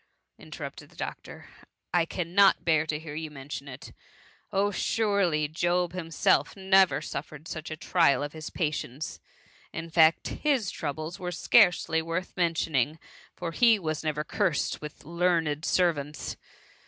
^ interrupted the doctor ;" I cannot bear to hear you mention it. Ob, surely Job himself never suffered such a trial of his patience! In fact, his troubles were scarcely worth mentioning, for he was never cursed with learned servants